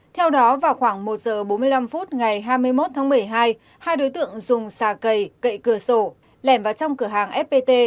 theo đó vào khoảng một giờ bốn mươi năm phút ngày hai mươi một tháng một mươi hai hai đối tượng dùng xà cầy cậy cửa sổ lẻm vào trong cửa hàng fpt